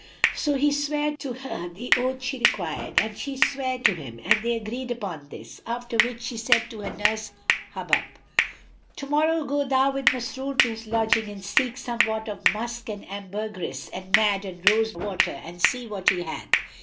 So he sware to her the oath she required and she sware to him, and they agreed upon this; after which she said to her nurse Hubub, "To morrow go thou with Masrur to his lodging and seek somewhat of musk and ambergris and Nadd and rose water and see what he hath.